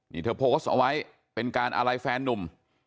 นี่เธอโพสต์เอาไว้เป็นการอะไรแฟนนุ่ม